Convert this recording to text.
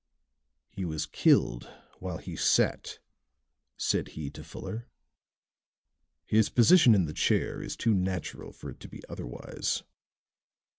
"He was killed while he sat," said he to Fuller. "His position in the chair is too natural for it to be otherwise.